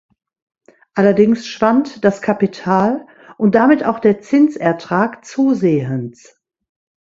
Allerdings schwand das Kapital, und damit auch der Zinsertrag, zusehends.